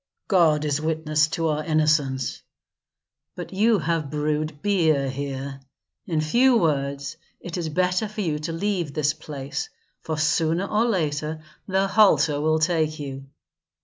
"God is witness to our innocence." "But you have brewed beer here. In few words, it is better for you to leave this place, for sooner or later the halter will take you.